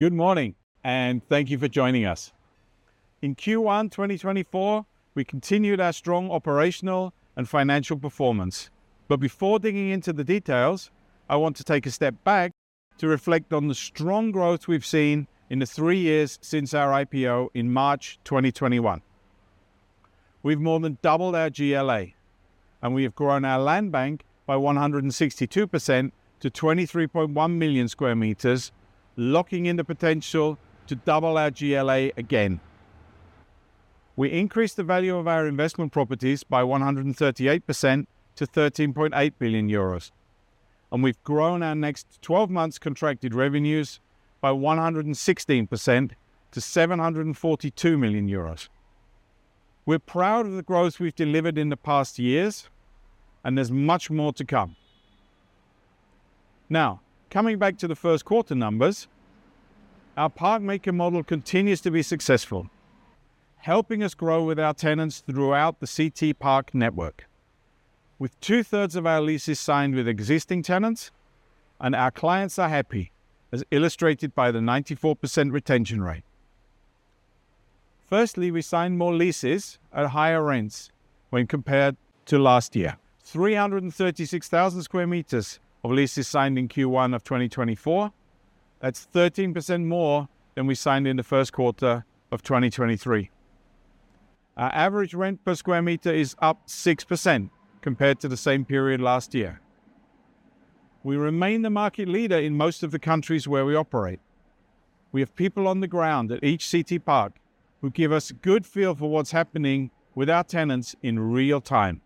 Good morning, and thank you for joining us. In Q1 2024, we continued our strong operational and financial performance. But before digging into the details, I want to take a step back to reflect on the strong growth we've seen in the three years since our IPO in March 2021. We've more than doubled our GLA, and we have grown our land bank by 162% to 23.1 million sq m, locking in the potential to double our GLA again. We increased the value of our investment properties by 138% to 13.8 billion euros, and we've grown our next 12 months contracted revenues by 116% to 742 million euros. We're proud of the growth we've delivered in the past years, and there's much more to come. Now, coming back to the Q1 numbers, our Parkmaker model continues to be successful, helping us grow with our tenants throughout the CTPark network. With two-thirds of our leases signed with existing tenants, and our clients are happy, as illustrated by the 94% retention rate. Firstly, we signed more leases at higher rents when compared to last year. 336,000 sq m of leases signed in Q1 of 2024. That's 13% more than we signed in the Q1 of 2023. Our average rent per square meter is up 6% compared to the same period last year. We remain the market leader in most of the countries where we operate. We have people on the ground at each CTPark who give us a good feel for what's happening with our tenants in real time.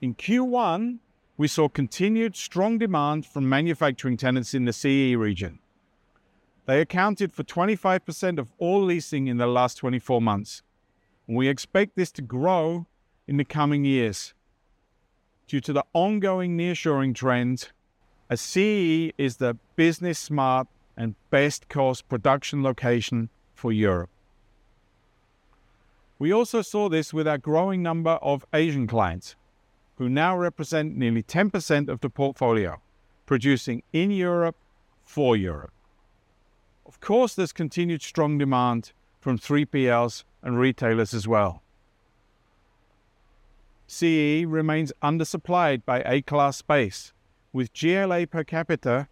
In Q1, we saw continued strong demand from manufacturing tenants in the CEE region. They accounted for 25% of all leasing in the last 24 months. We expect this to grow in the coming years. Due to the ongoing nearshoring trend, CEE is the business smart and best cost production location for Europe. We also saw this with our growing number of Asian clients, who now represent nearly 10% of the portfolio, producing in Europe for Europe. Of course, there's continued strong demand from 3PLs and retailers as well. CEE remains undersupplied by A-class space, with GLA per capita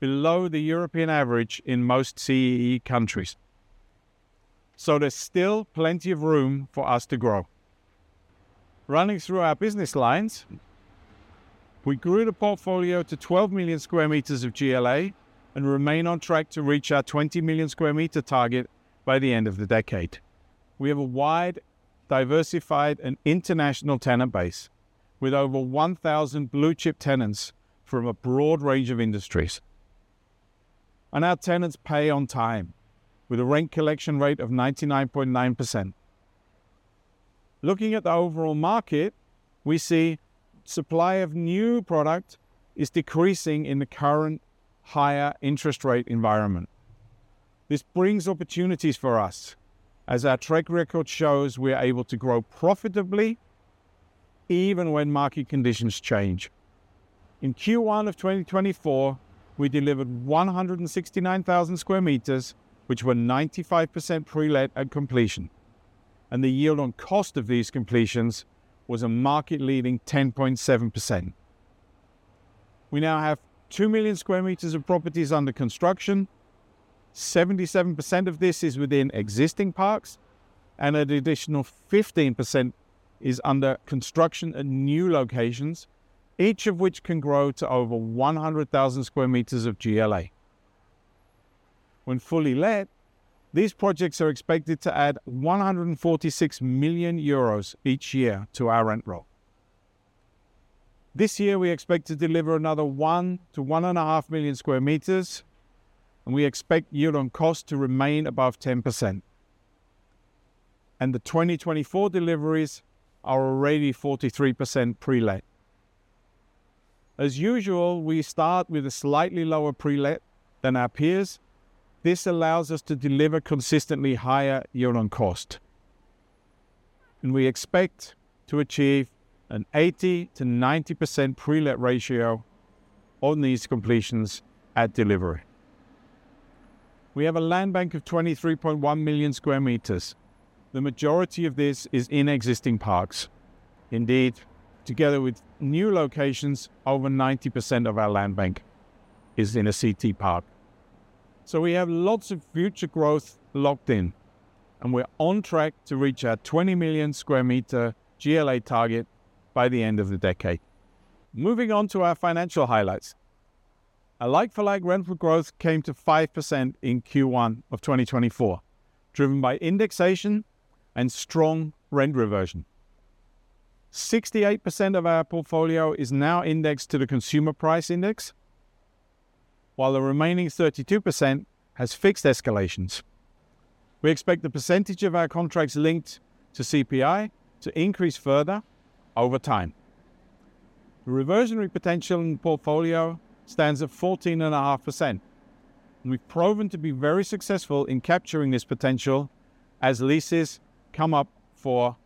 below the European average in most CEE countries. So there's still plenty of room for us to grow. Running through our business lines, we grew the portfolio to 12 million sq m of GLA and remain on track to reach our 20 million sq m target by the end of the decade. We have a wide, diversified, and international tenant base with over 1,000 blue-chip tenants from a broad range of industries. And our tenants pay on time with a rent collection rate of 99.9%. Looking at the overall market, we see supply of new product is decreasing in the current higher interest rate environment. This brings opportunities for us. As our track record shows, we are able to grow profitably even when market conditions change. In Q1 of 2024, we delivered 169,000 sq m, which were 95% pre-let at completion, and the yield on cost of these completions was a market leading 10.7%. We now have 2 million sq m of properties under construction. 77% of this is within existing parks, and an additional 15% is under construction at new locations, each of which can grow to over 100,000 sq m of GLA. When fully let, these projects are expected to add 146 million euros each year to our rent roll. This year, we expect to deliver another 1-1.5 million sq m, and we expect yield on cost to remain above 10%. The 2024 deliveries are already 43% pre-let. As usual, we start with a slightly lower pre-let than our peers. This allows us to deliver consistently higher yield on cost, and we expect to achieve an 80%-90% pre-let ratio on these completions at delivery. We have a land bank of 23.1 million sq m. The majority of this is in existing parks. Indeed, together with new locations, over 90% of our land bank is in a CTPark. So we have lots of future growth locked in, and we're on track to reach our 20 million square meter GLA target by the end of the decade. Moving on to our financial highlights. A like-for-like rental growth came to 5% in Q1 of 2024, driven by indexation and strong rent reversion. 68% of our portfolio is now indexed to the Consumer Price Index, while the remaining 32% has fixed escalations. We expect the percentage of our contracts linked to CPI to increase further over time. Reversionary potential in the portfolio stands at 14.5%, and we've proven to be very successful in capturing this potential as leases come up for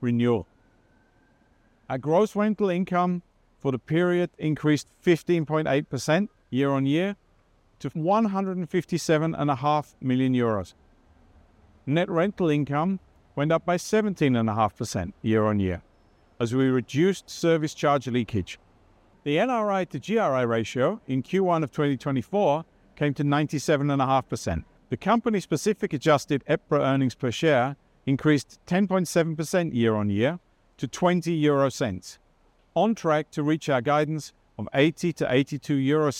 renewal. Our gross rental income for the period increased 15.8% year-on-year to 157.5 million euros. Net rental income went up by 17.5% year-on-year, as we reduced service charge leakage. The NRI to GRI ratio in Q1 of 2024 came to 97.5%. The company-specific adjusted EPRA earnings per share increased 10.7% year-on-year to 0.20, on track to reach our guidance of 0.80–0.82 euro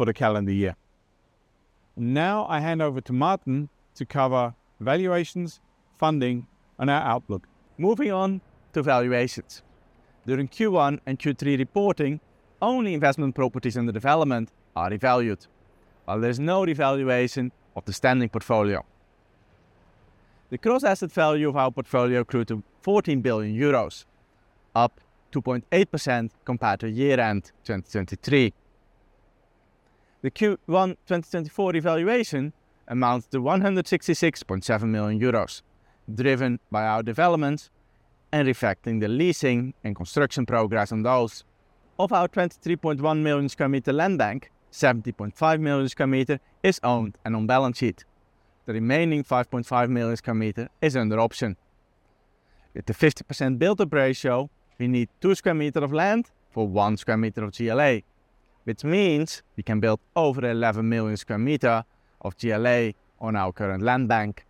for the calendar year. Now, I hand over to Martin to cover valuations, funding, and our outlook. Moving on to valuations. During Q1 and Q3 reporting, only investment properties under development are revalued, while there's no revaluation of the standing portfolio. The gross asset value of our portfolio grew to 14 billion euros, up 2.8% compared to year-end 2023. The Q1 2024 revaluation amounts to 166.7 million euros, driven by our developments and reflecting the leasing and construction progress on those. Of our 23.1 million sq m land bank, 17.5 million sq m is owned and on balance sheet. The remaining 5.5 million sq m is under option. With the 50% build-up ratio, we need 2 sq m of land for 1 sq m of GLA, which means we can build over 11 million sq m of GLA on our current land bank.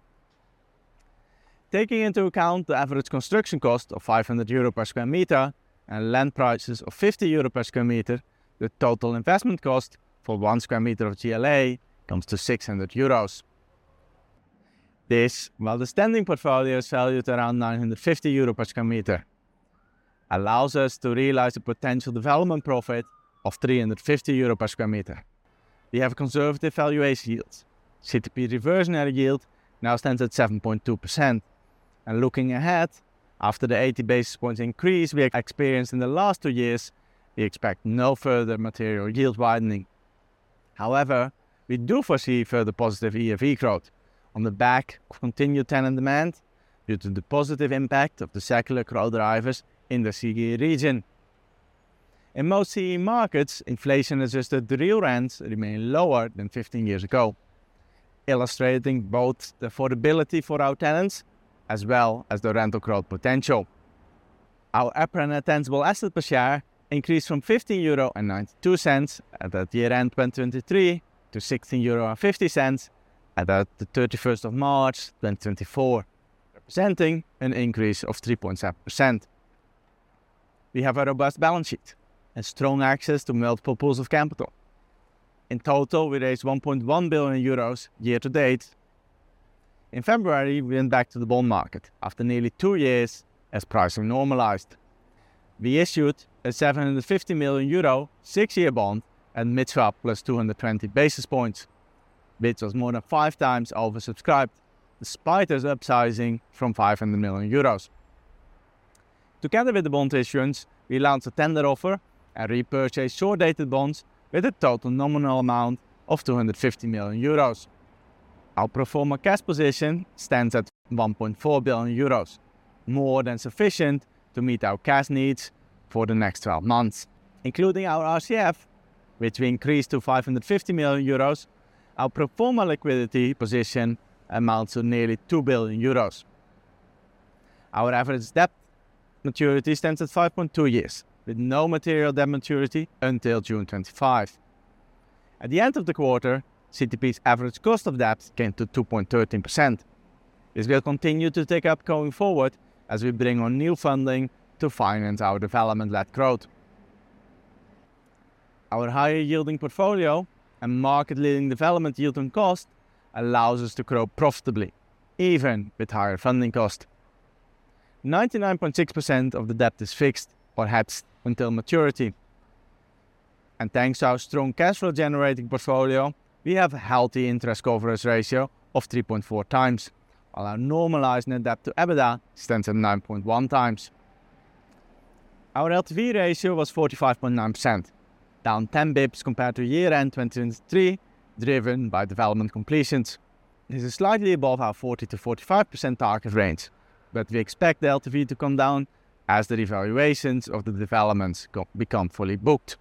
Taking into account the average construction cost of 500 euro per square meter and land prices of 50 euro per square meter, the total investment cost for one square meter of GLA comes to 600 euros. This, while the standing portfolio is valued around 950 euro per square meter, allows us to realize the potential development profit of 350 euros per square meter. We have conservative valuation yields. CTP reversionary yield now stands at 7.2%. Looking ahead, after the 80 basis points increase we experienced in the last two years, we expect no further material yield widening. However, we do foresee further positive ERV growth on the back of continued tenant demand, due to the positive impact of the secular growth drivers in the CEE region. In most CEE markets, inflation-adjusted real rents remain lower than 15 years ago, illustrating both the affordability for our tenants as well as the rental growth potential. Our EPRA net tangible asset per share increased from 15.92 euro at year-end 2023 to 16.50 euro at the 31st of March 2024, representing an increase of 3.7%. We have a robust balance sheet and strong access to multiple pools of capital. In total, we raised 1.1 billion euros year to date. In February, we went back to the bond market after nearly two years as pricing normalized. We issued a 750 million euro six-year bond at mid-swap, plus 220 basis points, which was more than 5 times oversubscribed, despite us upsizing from 500 million euros. Together with the bond issuance, we launched a tender offer and repurchased short-dated bonds with a total nominal amount of 250 million euros. Our pro forma cash position stands at 1.4 billion euros, more than sufficient to meet our cash needs for the next 12 months. Including our RCF, which we increased to 550 million euros, our pro forma liquidity position amounts to nearly 2 billion euros. Our average debt maturity stands at 5.2 years, with no material debt maturity until June 2025. At the end of the quarter, CTP's average cost of debt came to 2.13%. This will continue to tick up going forward, as we bring on new funding to finance our development-led growth. Our higher-yielding portfolio and market-leading development yield on cost allows us to grow profitably, even with higher funding costs. 99.6% of the debt is fixed or hedged until maturity. Thanks to our strong cash flow-generating portfolio, we have a healthy interest coverage ratio of 3.4 times, while our normalized net debt to EBITDA stands at 9.1 times. Our LTV ratio was 45.9%, down 10 basis points compared to year-end 2023, driven by development completions. This is slightly above our 40%-45% target range, but we expect the LTV to come down as the revaluations of the developments become fully booked.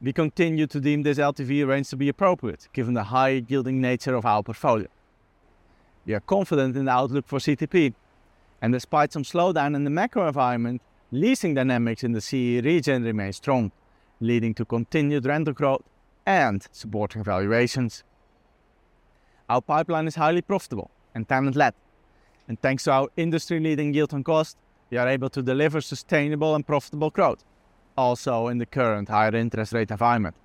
We continue to deem this LTV range to be appropriate, given the high-yielding nature of our portfolio. We are confident in the outlook for CTP, and despite some slowdown in the macro environment, leasing dynamics in the CEE region remain strong, leading to continued rental growth and supporting valuations. Our pipeline is highly profitable and tenant-led, and thanks to our industry-leading yield on cost, we are able to deliver sustainable and profitable growth, also in the current higher interest rate environment,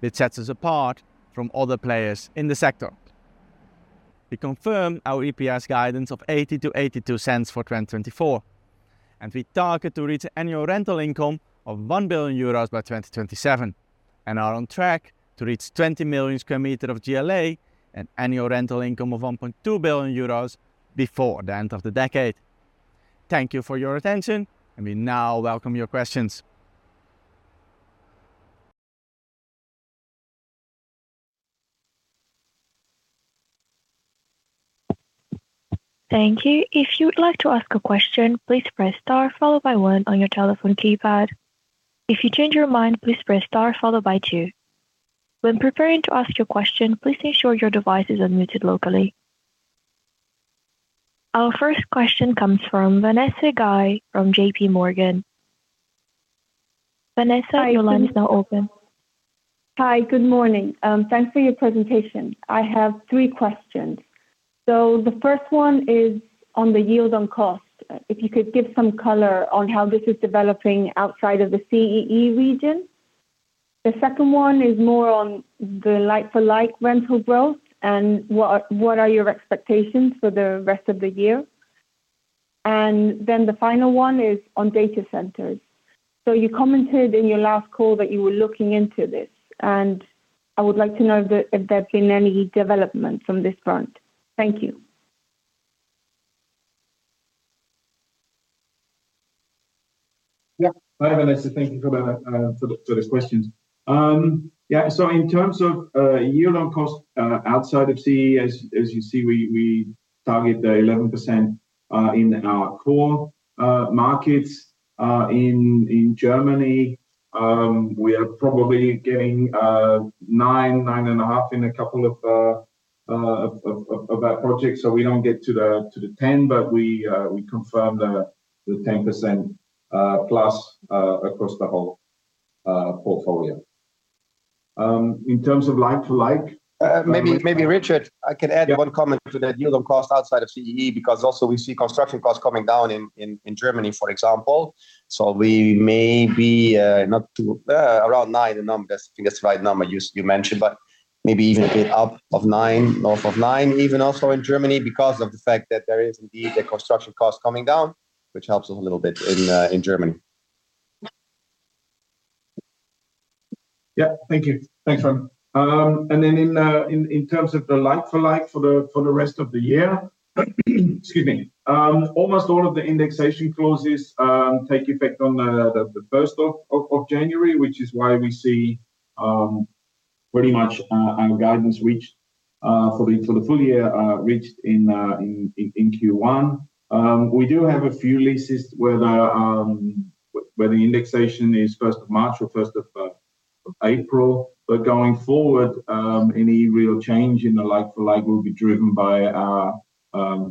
which sets us apart from other players in the sector. We confirm our EPS guidance of 0.80-0.82 for 2024, and we target to reach annual rental income of 1 billion euros by 2027, and are on track to reach 20 million sq m of GLA and annual rental income of 1.2 billion euros before the end of the decade. Thank you for your attention, and we now welcome your questions.... Thank you. If you would like to ask a question, please press star followed by one on your telephone keypad. If you change your mind, please press star followed by two. When preparing to ask your question, please ensure your device is unmuted locally. Our first question comes from Vanessa Guy from JPMorgan. Vanessa, your line is now open. Hi. Good morning. Thanks for your presentation. I have three questions. So the first one is on the yield on cost. If you could give some color on how this is developing outside of the CEE region. The second one is more on the like-for-like rental growth, and what are, what are your expectations for the rest of the year? And then the final one is on data centers. So you commented in your last call that you were looking into this, and I would like to know if there, if there have been any developments on this front. Thank you. Yeah. Hi, Vanessa. Thank you for those questions. Yeah, so in terms of yield on cost, outside of CEE, as you see, we target the 11% in our core markets. In Germany, we are probably getting 9%-9.5% in a couple of our projects. So we don't get to the 10, but we confirm the 10% plus across the whole portfolio. In terms of like-for-like, Maybe, maybe, Richard, I can add one comment to that Yield on Cost outside of CEE, because also we see construction costs coming down in Germany, for example. So we may be not to around nine, the number, I think that's the right number you mentioned, but maybe even a bit up of nine, north of nine, even also in Germany, because of the fact that there is indeed a construction cost coming down, which helps us a little bit in Germany. Yeah. Thank you. Thanks, Remon. And then in terms of the like-for-like for the rest of the year, excuse me. Almost all of the indexation clauses take effect on the first of January, which is why we see pretty much our guidance reached for the full year reached in Q1. We do have a few leases where the indexation is first of March or first of April. But going forward, any real change in the like-for-like will be driven by our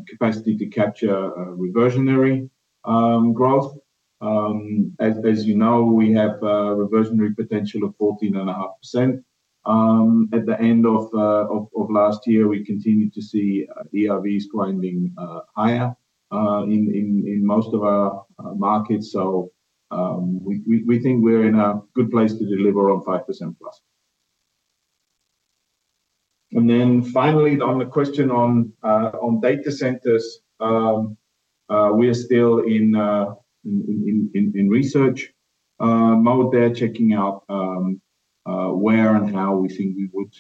capacity to capture reversionary growth. As you know, we have a reversionary potential of 14.5%. At the end of last year, we continued to see ERVs climbing higher in most of our markets. So, we think we're in a good place to deliver on 5% plus. And then finally, on the question on data centers, we are still in research mode there, checking out where and how we think we would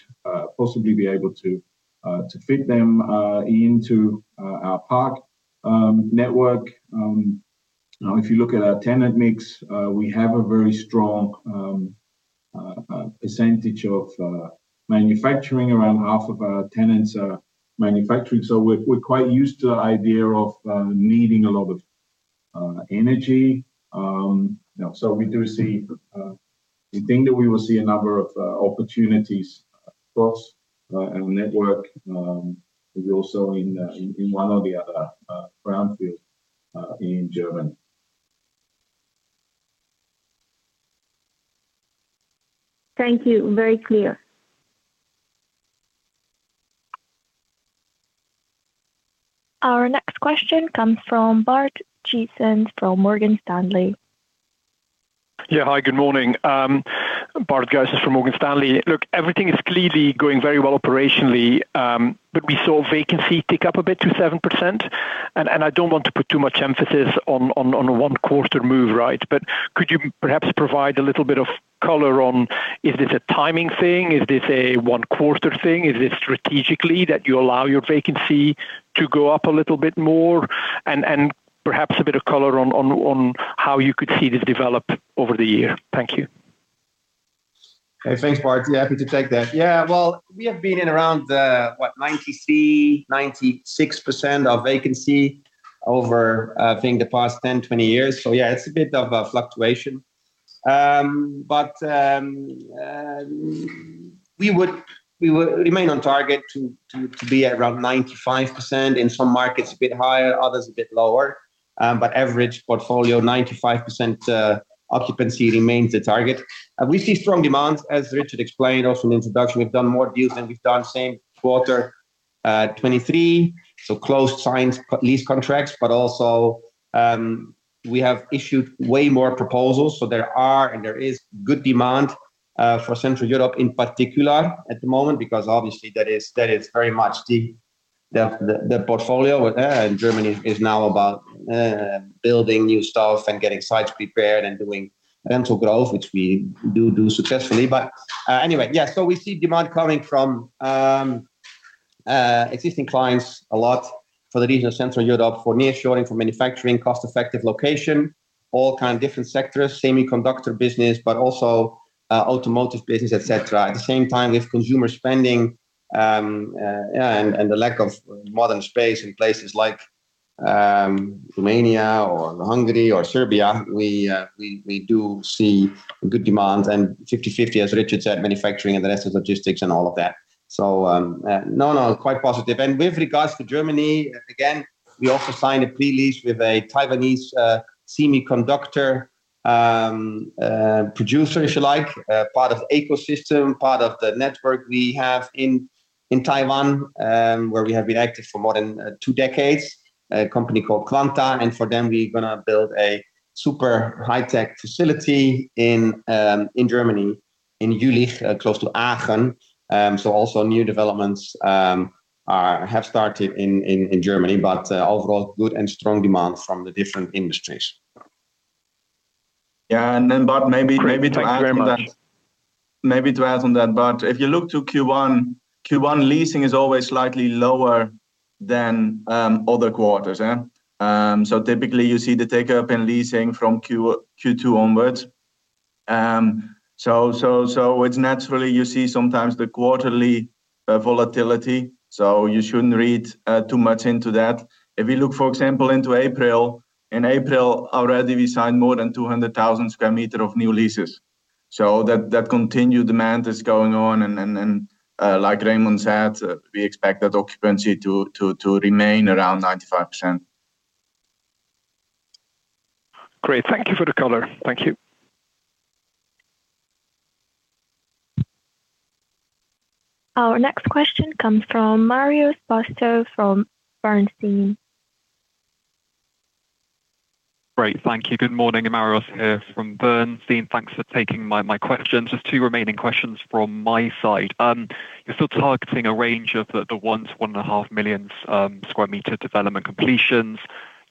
possibly be able to fit them into our park network. If you look at our tenant mix, we have a very strong percentage of manufacturing. Around half of our tenants are manufacturing, so we're quite used to the idea of needing a lot of energy. So we do see... We think that we will see a number of opportunities across our network, also in one or the other brownfield in Germany. Thank you. Very clear. Our next question comes from Bart Gysens, from Morgan Stanley. Yeah, hi, good morning. Bart Gysens from Morgan Stanley. Look, everything is clearly going very well operationally, but we saw vacancy tick up a bit to 7%. And I don't want to put too much emphasis on a one-quarter move, right? But could you perhaps provide a little bit of color on, is this a timing thing? Is this a one-quarter thing? Is it strategically that you allow your vacancy to go up a little bit more? And perhaps a bit of color on how you could see this develop over the year. Thank you. Hey, thanks, Bart. Yeah, happy to take that. Yeah, well, we have been in around 93%-96% vacancy over I think the past 10-20 years. So yeah, it's a bit of a fluctuation. But we would remain on target to be around 95%. In some markets, a bit higher, others a bit lower. But average portfolio, 95% occupancy remains the target. We see strong demand, as Richard explained also in introduction. We've done more deals than we've done same quarter 2023. So closed some lease contracts, but also we have issued way more proposals. So there are and there is good demand for Central Europe in particular at the moment, because obviously that is very much the portfolio. Germany is now about building new stuff and getting sites prepared and doing rental growth, which we do successfully. But anyway, yeah, so we see demand coming from existing clients a lot for the region of Central Europe, for nearshoring, for manufacturing, cost-effective location, all kind of different sectors, semiconductor business, but also automotive business, et cetera. At the same time, with consumer spending and the lack of modern space in places like Romania or Hungary or Serbia, we do see good demand and 50/50, as Richard said, manufacturing and the rest is logistics and all of that. So, no, quite positive. And with regards to Germany, again, we also signed a pre-lease with a Taiwanese semiconductor producer, if you like, part of ecosystem, part of the network we have in Taiwan, where we have been active for more than two decades, a company called Quanta, and for them, we're gonna build a super high-tech facility in Germany, in Jülich, close to Aachen. So also new developments have started in Germany, but overall, good and strong demand from the different industries. Yeah, and then, but maybe, maybe to add to that- Great. Thank you very much. Maybe to add on that, but if you look to Q1, Q1 leasing is always slightly lower than other quarters. So typically you see the take-up in leasing from Q2 onwards. So it's naturally you see sometimes the quarterly volatility, so you shouldn't read too much into that. If we look, for example, into April, in April already, we signed more than 200,000 sq m of new leases. So that continued demand is going on and like Remon said, we expect that occupancy to remain around 95%. Great. Thank you for the color. Thank you. Our next question comes from Marios Bastou from Bernstein. Great, thank you. Good morning, Marios here from Bernstein. Thanks for taking my questions. Just two remaining questions from my side. You're still targeting a range of the 1-1.5 million square meter development completions.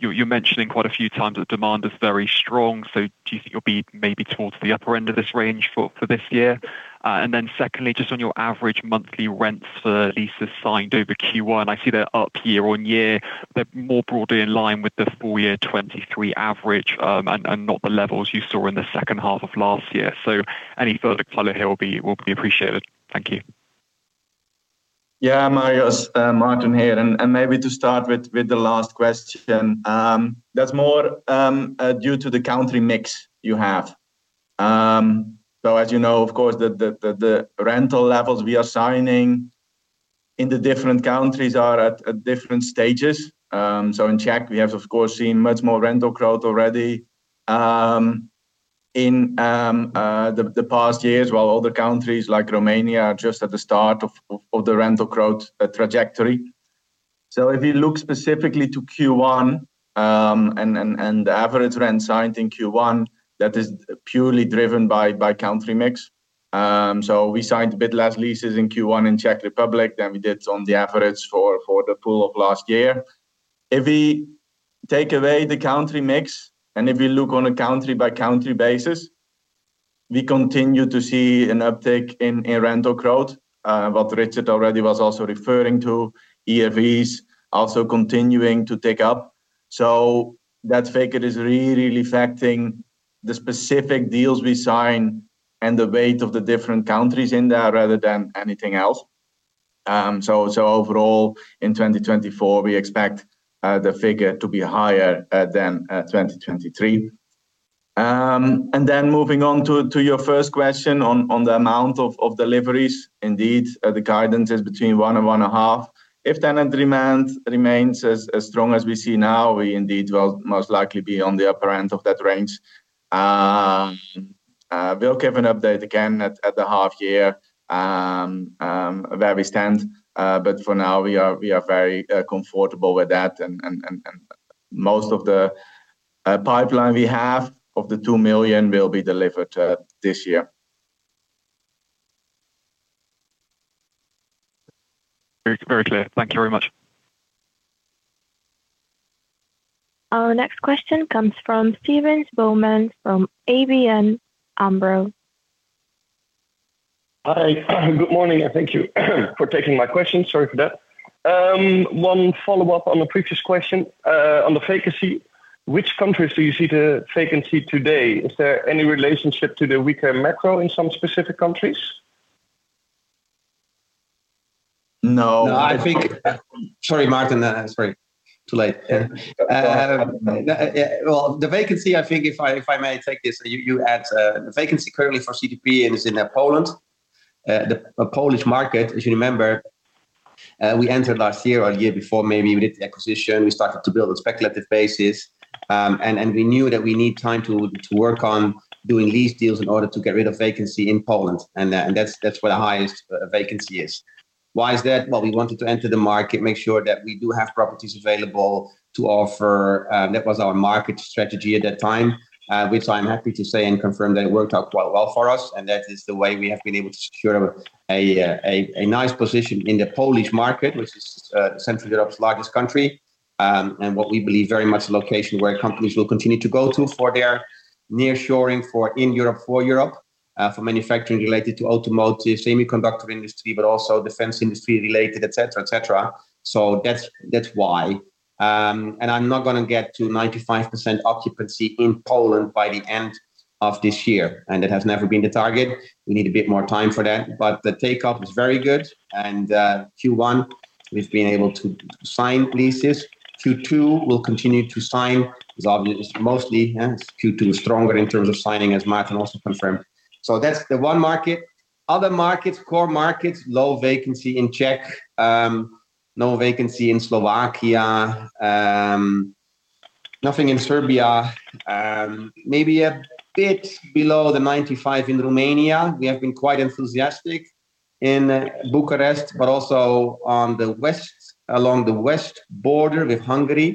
You're mentioning quite a few times that demand is very strong, so do you think you'll be maybe towards the upper end of this range for this year? And then secondly, just on your average monthly rents for leases signed over Q1, I see they're up year-on-year, but more broadly in line with the full year 2023 average, and not the levels you saw in the second half of last year. So any further color here will be appreciated. Thank you. Yeah, Marios, Martin here, and maybe to start with the last question, that's more due to the country mix you have. So as you know, of course, the rental levels we are signing in the different countries are at different stages. So in Czech, we have, of course, seen much more rental growth already in the past years, while other countries, like Romania, are just at the start of the rental growth trajectory. So if you look specifically to Q1, and the average rent signed in Q1, that is purely driven by country mix. So we signed a bit less leases in Q1 in Czech Republic than we did on the average for the full of last year. If we take away the country mix, and if we look on a country-by-country basis, we continue to see an uptick in rental growth, what Richard already was also referring to, ERVs also continuing to tick up. So that figure is really affecting the specific deals we sign and the weight of the different countries in there, rather than anything else. So overall, in 2024, we expect the figure to be higher than 2023. And then moving on to your first question on the amount of deliveries. Indeed, the guidance is between 1 and 1.5. If tenant demand remains as strong as we see now, we indeed will most likely be on the upper end of that range. We'll give an update again at the half year where we stand, but for now, we are very comfortable with that, and most of the pipeline we have, of the 2 million will be delivered this year. Very clear. Thank you very much. Our next question comes from Steven Bouman from ABN AMRO. Hi, good morning, and thank you for taking my question. Sorry for that. One follow-up on the previous question, on the vacancy. Which countries do you see the vacancy today? Is there any relationship to the weaker macro in some specific countries? No. No, I think... Sorry, Martin, sorry, too late. Yeah, well, the vacancy, I think if I may take this, you had the vacancy currently for CTP is in Poland. The Polish market, as you remember, we entered last year or a year before, maybe we did the acquisition. We started to build a speculative basis, and we knew that we need time to work on doing lease deals in order to get rid of vacancy in Poland, and that's where the highest vacancy is. Why is that? Well, we wanted to enter the market, make sure that we do have properties available to offer. That was our market strategy at that time, which I'm happy to say and confirm that it worked out quite well for us, and that is the way we have been able to secure a nice position in the Polish market, which is Central Europe's largest country, and what we believe very much location where companies will continue to go to for their nearshoring for in Europe, for Europe, for manufacturing related to automotive, semiconductor industry, but also defense industry related, et cetera, et cetera. So that's, that's why. And I'm not gonna get to 95% occupancy in Poland by the end of this year, and it has never been the target. We need a bit more time for that, but the take-up is very good, and Q1, we've been able to sign leases. Q2, we'll continue to sign. It's obviously just mostly, yeah, Q2 is stronger in terms of signing, as Martin also confirmed. So that's the one market. Other markets, core markets, low vacancy in Czech, no vacancy in Slovakia, nothing in Serbia. Maybe a bit below the 95 in Romania. We have been quite enthusiastic in Bucharest, but also on the west, along the west border with Hungary.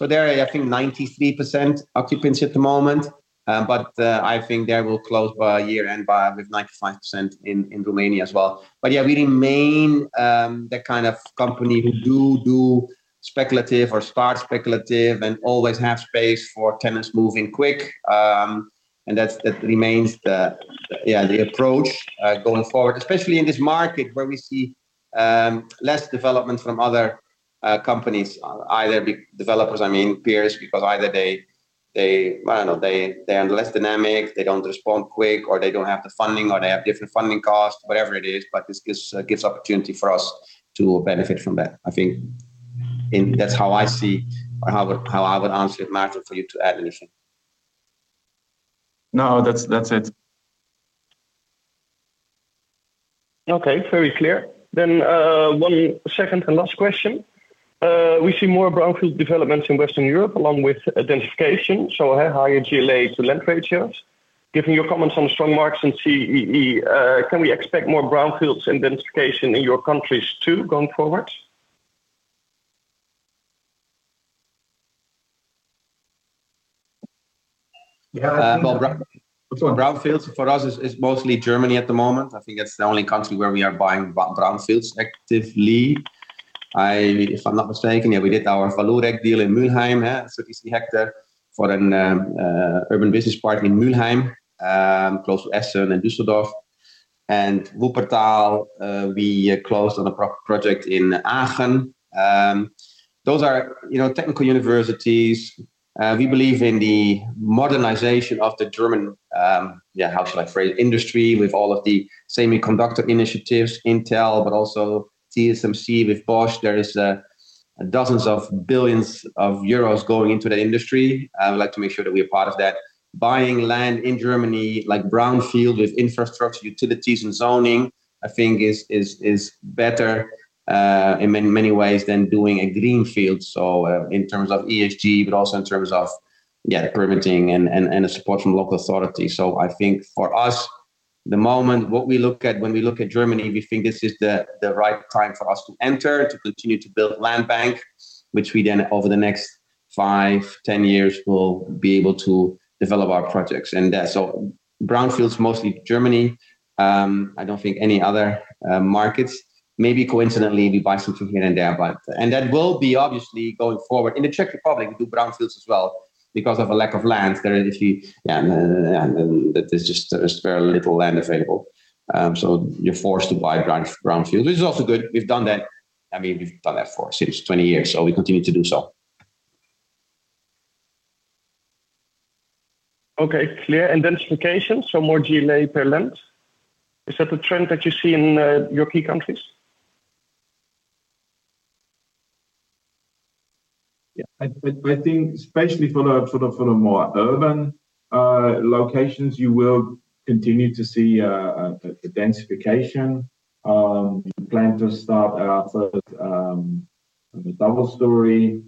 So there, I think 93% occupancy at the moment, but I think that will close by year-end by, with 95% in Romania as well. But, yeah, we remain the kind of company who do speculative or spot speculative and always have space for tenants moving quick. And that's, that remains the, yeah, the approach going forward, especially in this market where we see less development from other companies, either be developers, I mean, peers, because either they I don't know they are less dynamic, they don't respond quick, or they don't have the funding, or they have different funding costs, whatever it is, but this gives opportunity for us to benefit from that. I think that's how I see or how I would answer it. Martin, for you to add anything? No, that's, that's it. Okay, very clear. Then, one second and last question. We see more brownfield developments in Western Europe, along with densification, so higher GLA to land ratios. Given your comments on strong markets in CEE, can we expect more brownfields and densification in your countries, too, going forward? Yeah, well- Well, brownfields for us is mostly Germany at the moment. I think that's the only country where we are buying brownfields actively. If I'm not mistaken, yeah, we did our Vallourec deal in Mülheim, huh? So it's the hectare for an urban business park in Mülheim, close to Essen and Düsseldorf. And Wuppertal, we closed on a project in Aachen. Those are, you know, technical universities. We believe in the modernization of the German industry with all of the semiconductor initiatives, Intel, but also TSMC with Bosch. There is dozens of billions of EUR going into the industry. I would like to make sure that we are part of that. Buying land in Germany, like brownfield, with infrastructure, utilities, and zoning, I think is better in many, many ways than doing a greenfield, so in terms of ESG, but also in terms of, yeah, permitting and the support from local authorities. So I think for us, the moment, what we look at when we look at Germany, we think this is the right time for us to enter, to continue to build land bank, which we then, over the next 5-10 years, will be able to develop our projects. So brownfields, mostly Germany. I don't think any other markets. Maybe coincidentally, we buy something here and there, but... And that will be obviously going forward. In the Czech Republic, we do brownfields as well because of a lack of land. There is, yeah, there's just very little land available. So you're forced to buy brownfield, which is also good. We've done that. I mean, we've done that for 60, 20 years, so we continue to do so. Okay, clear. Densification, so more GLA per land. Is that a trend that you see in your key countries? Yeah, I think especially for the sort of, for the more urban locations, you will continue to see a densification. We plan to start our first double story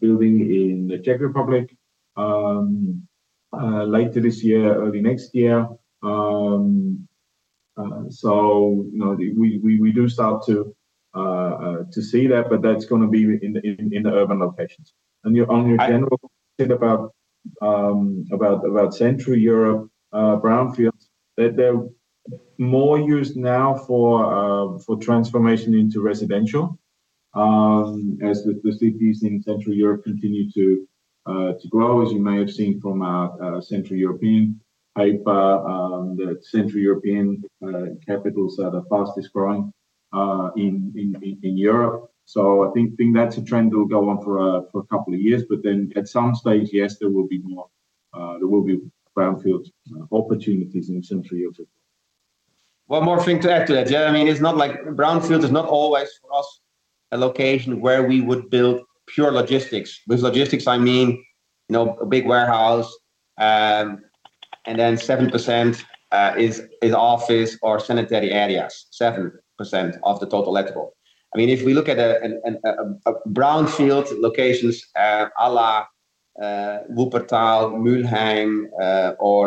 building in the Czech Republic later this year, early next year. So, you know, we do start to see that, but that's gonna be in the urban locations. And your general think about Central Europe, brownfields, they're more used now for transformation into residential, as the cities in Central Europe continue to grow, as you may have seen from our Central European paper, that Central European capitals are the fastest growing in Europe. So I think that's a trend that will go on for a couple of years, but then at some stage, yes, there will be more brownfield opportunities in Central Europe. One more thing to add to that. Yeah, I mean, it's not like... Brownfield is not always, for us, a location where we would build pure logistics. With logistics, I mean, you know, a big warehouse, and then 7% is office or sanitary areas, 7% of the total lettable. I mean, if we look at brownfield locations, a la Wuppertal, Mülheim, or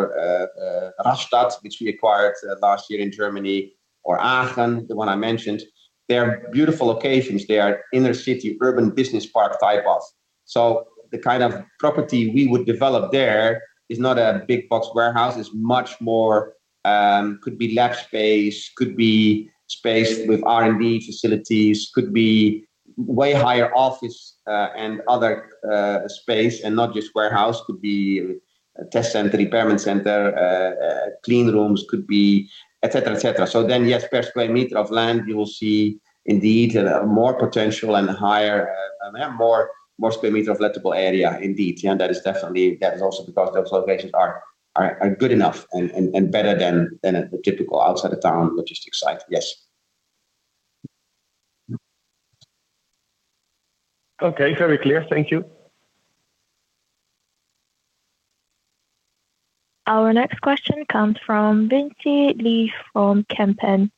Rastatt, which we acquired last year in Germany, or Aachen, the one I mentioned, they're beautiful locations. They are inner-city, urban business park type of. So the kind of property we would develop there is not a big box warehouse. It's much more, could be lab space, could be space with R&D facilities, could be-... way higher office, and other, space and not just warehouse, could be a test center, repairment center, clean rooms could be, et cetera, et cetera. So then, yes, per square meter of land, you will see indeed, more potential and higher, and more, more square meter of lettable area indeed. Yeah, that is definitely, that is also because those locations are good enough and, and better than, a typical outside of town logistics site. Yes. Okay, very clear. Thank you. Our next question comes from Vinci Lee from Kempen.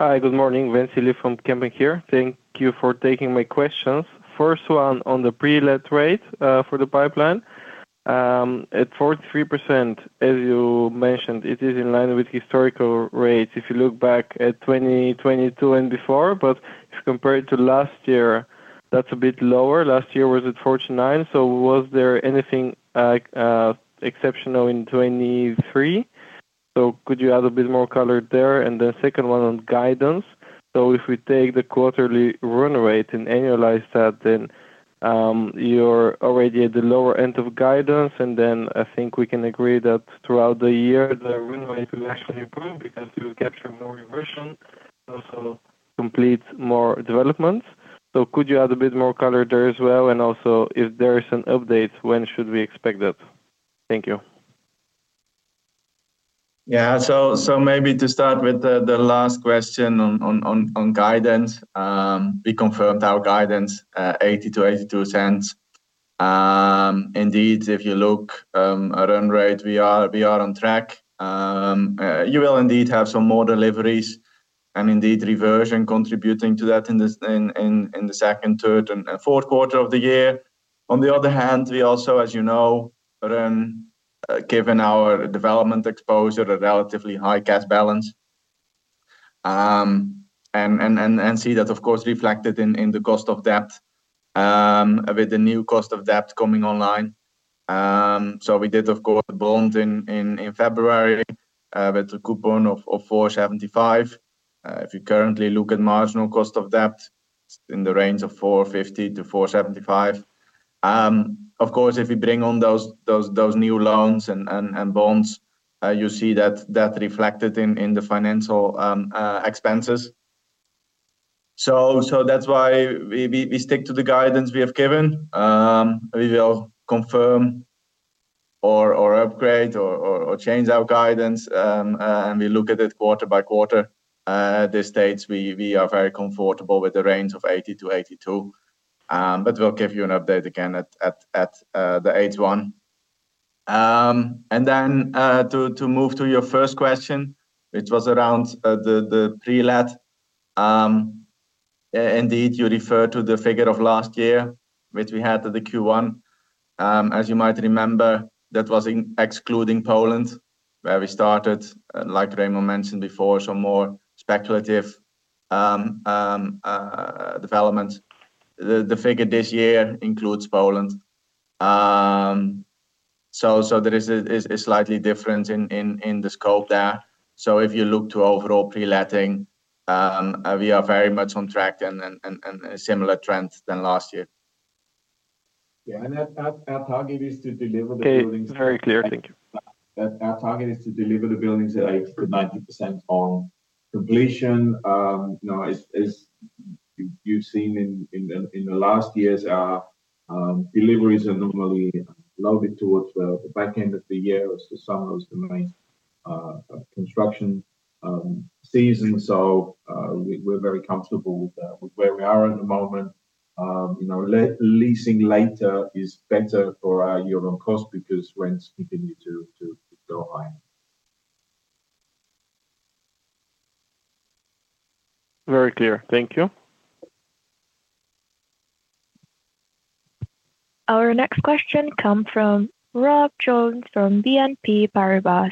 Hi, good morning, Vinci Lee from Kempen here. Thank you for taking my questions. First one on the pre-let rate for the pipeline. At 43%, as you mentioned, it is in line with historical rates if you look back at 2022 and before, but if compared to last year, that's a bit lower. Last year was at 49%, so was there anything, like, exceptional in 2023? So could you add a bit more color there? And the second one on guidance. So if we take the quarterly run rate and annualize that, then you're already at the lower end of guidance, and then I think we can agree that throughout the year, the run rate will actually improve because we will capture more reversion and also complete more developments. So could you add a bit more color there as well? Also, if there is an update, when should we expect that? Thank you. Yeah. So maybe to start with the last question on guidance. We confirmed our guidance, 0.80-0.82. Indeed, if you look at run rate, we are on track. You will indeed have some more deliveries and indeed, reversion contributing to that in the Q2, Q3 and Q4 of the year. On the other hand, we also, as you know, run, given our development exposure, a relatively high cash balance. And see that, of course, reflected in the cost of debt, with the new cost of debt coming online. So we did, of course, bond in February, with a coupon of 4.75%. If you currently look at marginal cost of debt, it's in the range of 4.50-4.75. Of course, if you bring on those new loans and bonds, you see that reflected in the financial expenses. So that's why we stick to the guidance we have given. We will confirm or upgrade or change our guidance, and we look at it quarter by quarter. At this stage, we are very comfortable with the range of 80-82. But we'll give you an update again at the H1. And then, to move to your first question, which was around the pre-let. Indeed, you refer to the figure of last year, which we had at the Q1. As you might remember, that was excluding Poland, where we started, like Remon mentioned before, some more speculative developments. The figure this year includes Poland. So there is a slight difference in the scope there. So if you look to overall pre-letting, we are very much on track and similar trends than last year. Yeah, and our target is to deliver the buildings- Okay, very clear. Thank you. Our target is to deliver the buildings at, like, 90% on completion. You know, as you've seen in the last years, our deliveries are normally loaded towards the back end of the year as the summer is the main construction season. So, we're very comfortable with where we are at the moment. You know, leasing later is better for our yield on cost because rents continue to go high. Very clear. Thank you. Our next question come from Rob Jones from BNP Paribas.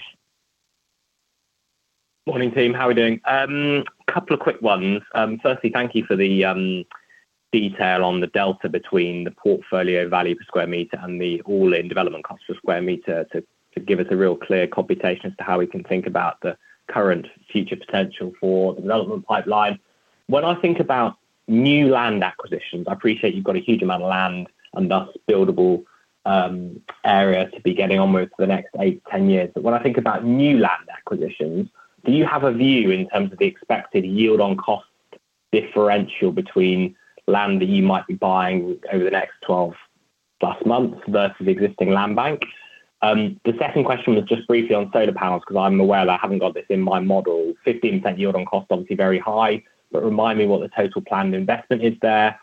Morning, team. How are we doing? A couple of quick ones. Firstly, thank you for the detail on the delta between the portfolio value per square meter and the all-in development cost per square meter to give us a real clear computation as to how we can think about the current future potential for the development pipeline. When I think about new land acquisitions, I appreciate you've got a huge amount of land and thus buildable area to be getting on with for the next 8-10 years. But when I think about new land acquisitions, do you have a view in terms of the expected yield on cost differential between land that you might be buying over the next 12+ months versus existing land bank? The second question was just briefly on solar panels, because I'm aware that I haven't got this in my model. 15% yield on cost, obviously very high, but remind me what the total planned investment is there.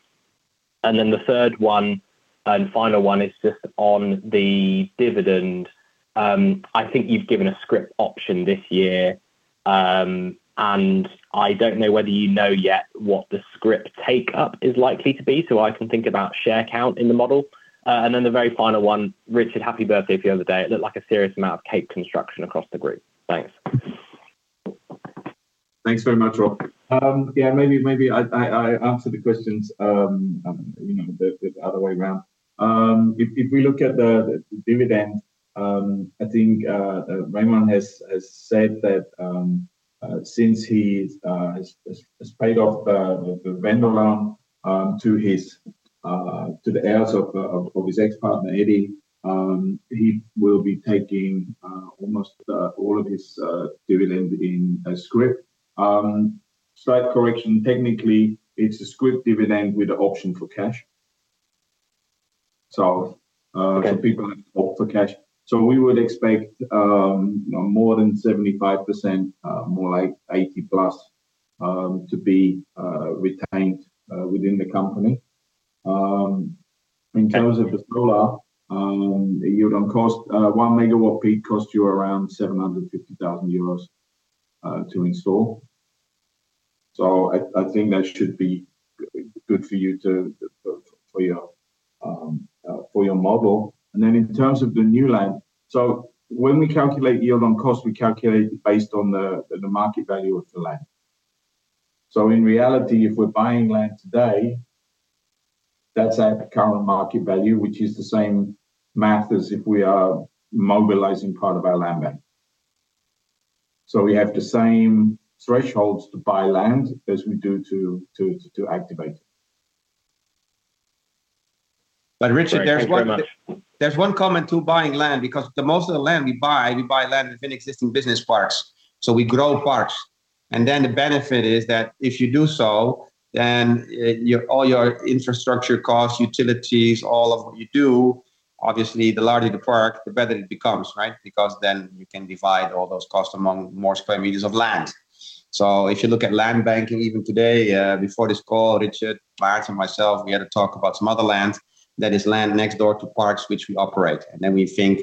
And then the third one, and final one, is just on the dividend. I think you've given a scrip option this year, and I don't know whether you know yet what the scrip take-up is likely to be, so I can think about share count in the model. And then the very final one, Richard, happy birthday a few days early. It looked like a serious amount of cake consumption across the group. Thanks. Thanks very much, Rob. Yeah, maybe I answer the questions, you know, the other way around. If we look at the dividend, I think Remon has said that since he has paid off the vendor loan to the heirs of his ex-partner, Eddy, he will be taking almost all of his dividend in scrip. Slight correction, technically, it's a scrip dividend with the option for cash. So, for people who opt for cash. So we would expect more than 75%, more like 80+, to be retained within the company. In terms of the solar, yield on cost, one megawatt peak costs you around 750,000 euros to install. So I think that should be good for you to, for your model. And then in terms of the new land, so when we calculate yield on cost, we calculate based on the market value of the land. So in reality, if we're buying land today, that's at the current market value, which is the same math as if we are mobilizing part of our land bank. So we have the same thresholds to buy land as we do to activate. But, Richard, there's one- Thank you very much. There's one comment to buying land, because the most of the land we buy, we buy land within existing business parks. So we grow parks. And then the benefit is that if you do so, then, your all your infrastructure costs, utilities, all of what you do, obviously, the larger the park, the better it becomes, right? Because then you can divide all those costs among more sq M of land. So if you look at land banking, even today, before this call, Richard, Maarten, and myself, we had a talk about some other land that is land next door to parks which we operate. And then we think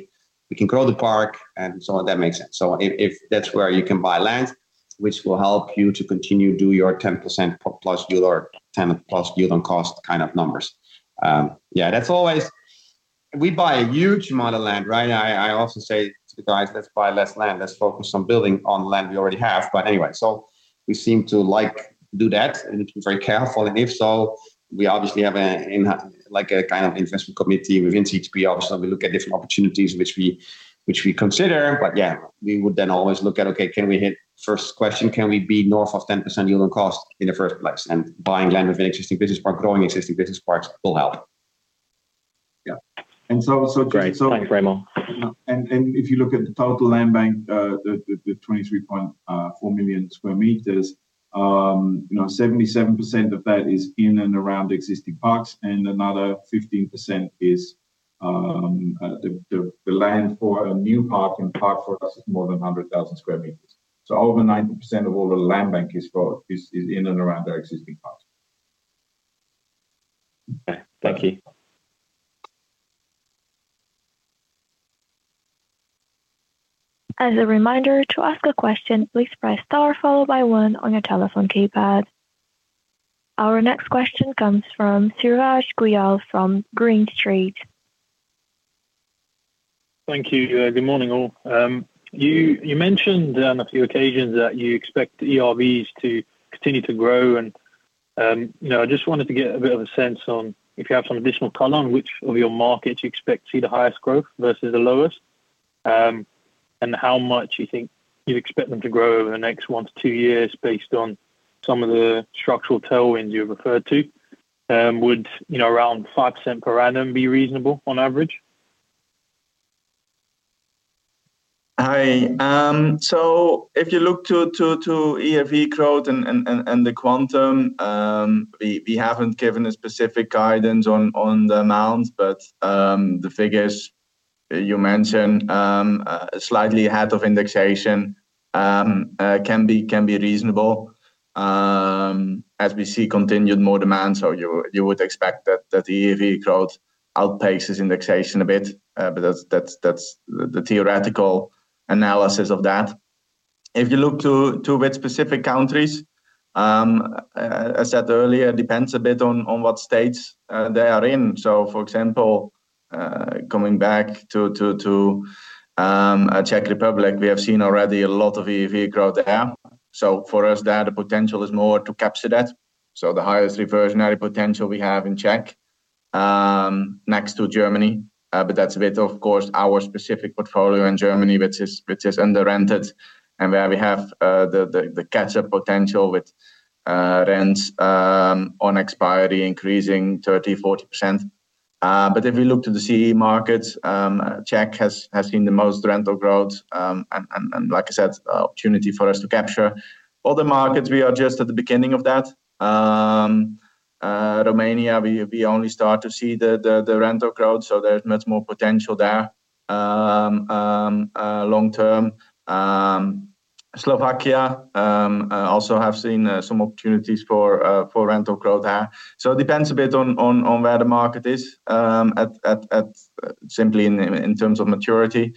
we can grow the park, and so that makes sense. So if that's where you can buy land, which will help you to continue do your 10% plus yield or 10+ yield on cost kind of numbers. Yeah, that's always... We buy a huge amount of land, right? I also say to the guys, "Let's buy less land. Let's focus on building on land we already have." But anyway, so we seem to like do that, and we need to be very careful. And if so, we obviously have a, an, like, a kind of investment committee within CTP. Obviously, we look at different opportunities which we consider. But yeah, we would then always look at, okay, can we hit... First question, can we be north of 10% yield on cost in the first place? And buying land with an existing business park, growing existing business parks will help. Yeah. And so, Great. Thanks, Remo. And if you look at the total land bank, the 23.4 million sq m, you know, 77% of that is in and around existing parks, and another 15% is the land for a new park, and the park for us is more than 100,000 sq m. So over 90% of all the land bank is for is in and around our existing parks. Okay, thank you. As a reminder, to ask a question, please press star followed by one on your telephone keypad. Our next question comes from Suraj Gulla from Green Street. Thank you. Good morning, all. You mentioned on a few occasions that you expect ERVs to continue to grow and, you know, I just wanted to get a bit of a sense on if you have some additional color on which of your markets you expect to see the highest growth versus the lowest, and how much you think you'd expect them to grow over the next 1-2 years based on some of the structural tailwinds you've referred to. Would, you know, around 5% per annum be reasonable on average? Hi, so if you look to ERV growth and the quantum, we haven't given a specific guidance on the amounts, but the figures you mentioned, slightly ahead of indexation, can be reasonable, as we see continued more demand. So you would expect that ERV growth outpaces indexation a bit, but that's the theoretical analysis of that. If you look to with specific countries, as I said earlier, it depends a bit on what states they are in. So, for example, going back to Czech Republic, we have seen already a lot of ERV growth there. So for us, there, the potential is more to capture that. So the highest reversionary potential we have in Czech next to Germany but that's a bit of course our specific portfolio in Germany which is under-rented and where we have the catch-up potential with rents on expiry increasing 30%-40%. But if you look to the CEE markets Czech has seen the most rental growth and like I said opportunity for us to capture. Other markets we are just at the beginning of that. Romania we only start to see the rental growth so there's much more potential there long term. Slovakia also have seen some opportunities for rental growth there. So it depends a bit on where the market is, simply in terms of maturity.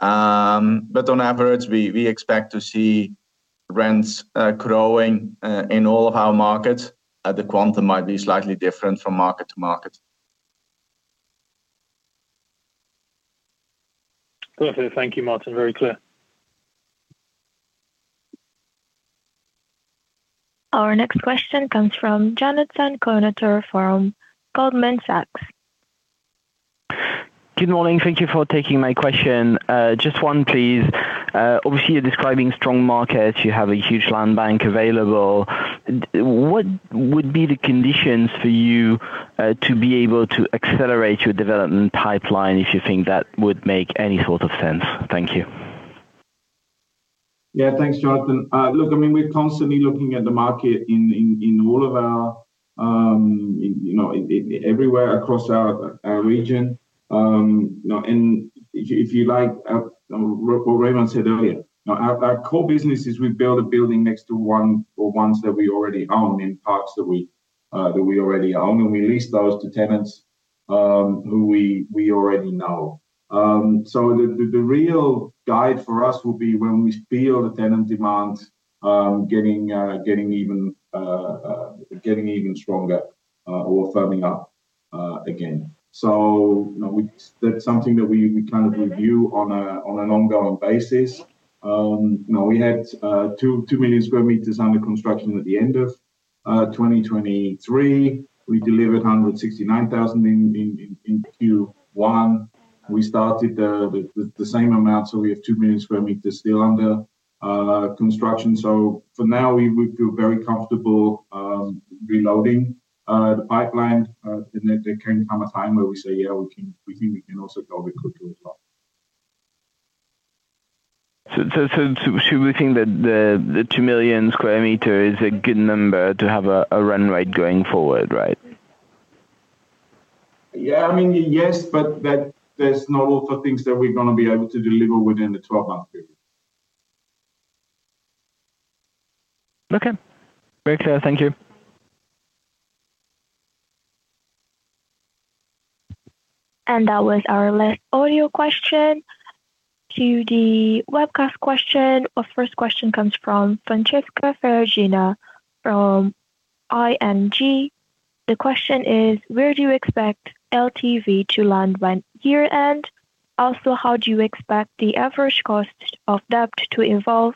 But on average, we expect to see rents growing in all of our markets. The quantum might be slightly different from market to market. Perfect. Thank you, Martin. Very clear. Our next question comes from Jonathan Kownator for Goldman Sachs.... Good morning. Thank you for taking my question. Just one, please. Obviously, you're describing strong markets. You have a huge land bank available. What would be the conditions for you, to be able to accelerate your development pipeline, if you think that would make any sort of sense? Thank you. Yeah, thanks, Jonathan. Look, I mean, we're constantly looking at the market in all of our, you know, in everywhere across our region. You know, and if you like what Remon said earlier. Now, our core business is we build a building next to one or ones that we already own in parks that we already own, and we lease those to tenants who we already know. So the real guide for us will be when we feel the tenant demand getting even stronger or firming up again. So, you know, that's something that we kind of review on an ongoing basis. You know, we had two million sq m under construction at the end of 2023. We delivered 169,000 in Q1. We started the same amount, so we have two million sq m still under construction. So for now, we feel very comfortable reloading the pipeline. And there can come a time where we say, "Yeah, we can, we think we can also go a bit quicker as well. Should we think that the 2 million square meter is a good number to have a run rate going forward, right? Yeah. I mean, yes, but that there's not all the things that we're gonna be able to deliver within the 12-month period. Okay. Very clear. Thank you. That was our last audio question. To the webcast question. Our first question comes from Francesca Ferragina from ING. The question is: where do you expect LTV to land by year-end? Also, how do you expect the average cost of debt to evolve?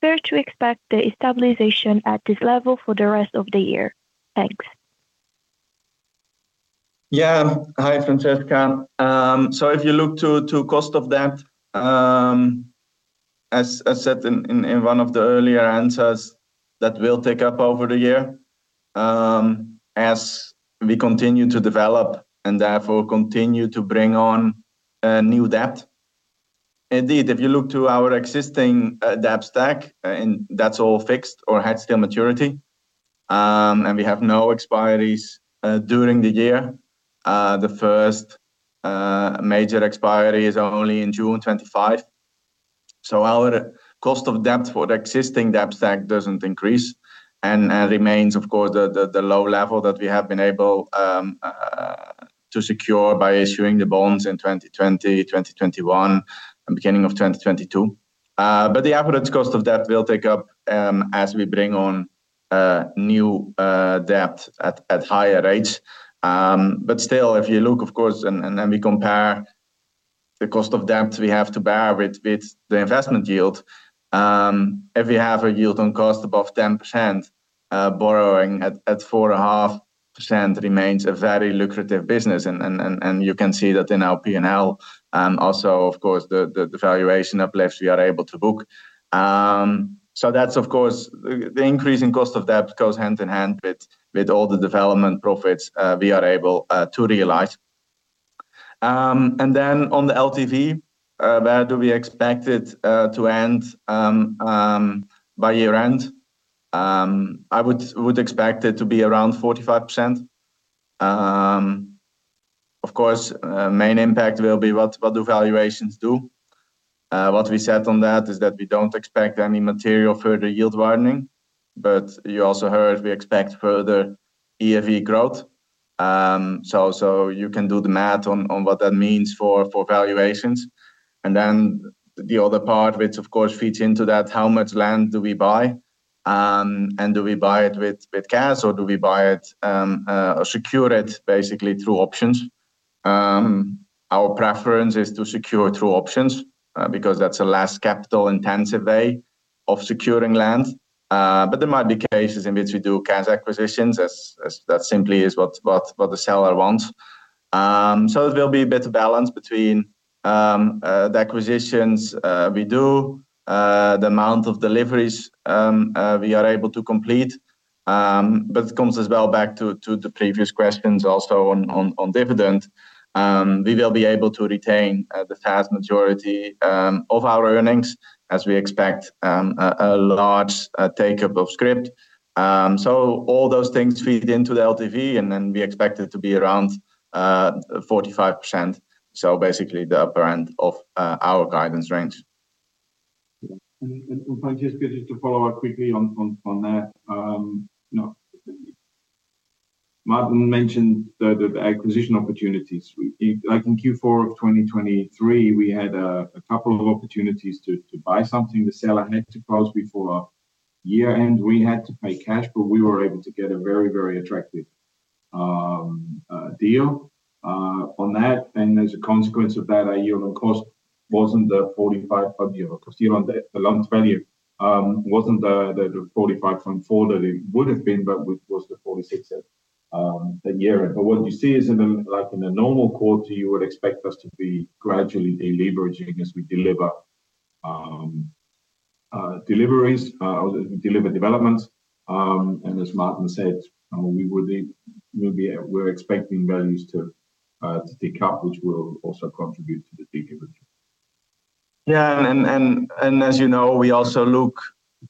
Where to expect the stabilization at this level for the rest of the year? Thanks. Yeah. Hi, Francesca. So if you look to cost of debt, as said in one of the earlier answers, that will tick up over the year, as we continue to develop and therefore continue to bring on new debt. Indeed, if you look to our existing debt stack, and that's all fixed or hedged until maturity, and we have no expiries during the year. The first major expiry is only in June 2025. So our cost of debt for the existing debt stack doesn't increase and remains, of course, the low level that we have been able to secure by issuing the bonds in 2020, 2021, and beginning of 2022. But the average cost of debt will tick up as we bring on new debt at higher rates. But still, if you look, of course, and then we compare the cost of debt we have to bear with the investment yield, if we have a yield on cost above 10%, borrowing at 4.5% remains a very lucrative business. And you can see that in our P&L, also, of course, the valuation uplifts we are able to book. So that's, of course... The increase in cost of debt goes hand in hand with all the development profits we are able to realize. And then on the LTV, where do we expect it to end by year-end? I would expect it to be around 45%. Of course, main impact will be what the valuations do. What we said on that is that we don't expect any material further yield widening, but you also heard we expect further ERRV growth. So you can do the math on what that means for valuations. And then the other part, which of course fits into that, how much land do we buy? And do we buy it with cash, or do we buy it, secure it basically through options? Our preference is to secure through options, because that's a less capital-intensive way of securing land. But there might be cases in which we do cash acquisitions, as that simply is what the seller wants. So there will be a better balance between the acquisitions we do, the amount of deliveries we are able to complete. But it comes as well back to the previous questions also on dividend. We will be able to retain the vast majority of our earnings, as we expect a large take-up of scrip. So all those things feed into the LTV, and then we expect it to be around 45%. So basically, the upper end of our guidance range. Yeah. And Francesca, just to follow up quickly on that. You know, Martin mentioned the acquisition opportunities. Like in Q4 of 2023, we had a couple of opportunities to buy something. The seller had to close before year-end. We had to pay cash, but we were able to get a very, very attractive deal on that. And as a consequence of that, our year-end cost wasn't the 45 earlier, because even the loan value wasn't the 45 from 4 that it would have been, but it was the 46 at the year-end. But what you see is in the like in a normal quarter, you would expect us to be gradually deleveraging as we deliver deliveries or we deliver developments. As Martin said, we're expecting values to tick up, which will also contribute to the deleveraging. Yeah. And as you know, we also look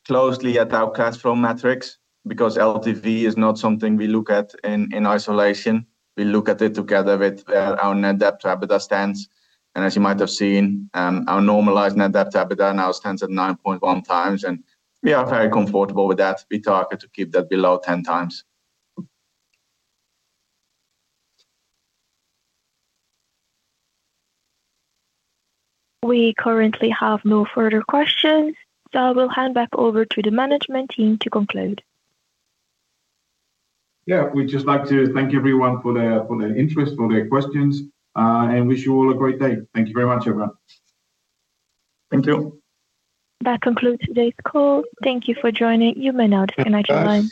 closely at our cash flow metrics because LTV is not something we look at in isolation. We look at it together with our net debt to EBITDA stands. And as you might have seen, our normalized net debt to EBITDA now stands at 9.1x, and we are very comfortable with that. We target to keep that below 10x. We currently have no further questions, so we'll hand back over to the management team to conclude. Yeah. We'd just like to thank everyone for their, for their interest, for their questions, and wish you all a great day. Thank you very much, everyone. Thank you. That concludes today's call. Thank you for joining. You may now disconnect your line.